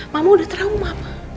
mama udah terang mama